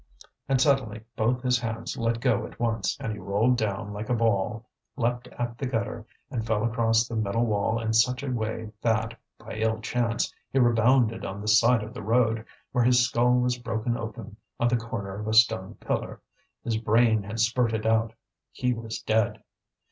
And suddenly both his hands let go at once, and he rolled down like a ball, leapt at the gutter, and fell across the middle wall in such a way that, by ill chance, he rebounded on the side of the road, where his skull was broken open on the corner of a stone pillar. His brain had spurted out. He was dead.